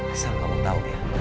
asal kamu tau ya